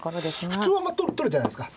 普通は取るじゃないですか。